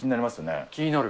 気になる。